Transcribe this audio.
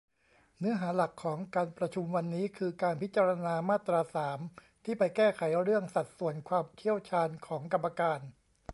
เนื้อหาหลักของการประชุมวันนี้ คือการพิจารณามาตรา สาม ที่ไปแก้ไขเรื่อง สัดส่วนความเชี่ยวชาญของกรรมการ